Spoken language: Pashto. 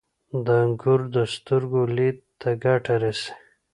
• انګور د سترګو لید ته ګټه رسوي.